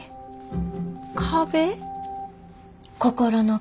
壁？